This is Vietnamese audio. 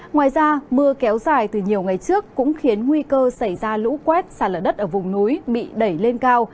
ngoài ra mưa kéo dài từ nhiều ngày trước cũng khiến nguy cơ xảy ra lũ quét xả lở đất ở vùng núi bị đẩy lên cao